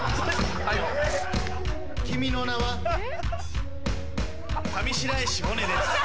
君の名は？上白石萌音です。